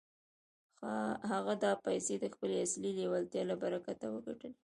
هغه دا پيسې د خپلې اصلي لېوالتيا له برکته وګټلې.